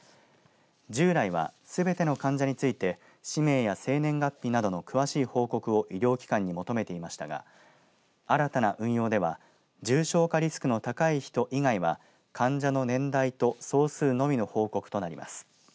従来は、すべての患者について氏名や生年月日などの詳しい報告を医療機関に求めていましたが新たな運用では重症化リスクの高い人以外は患者の年代と総数のみの報告となります。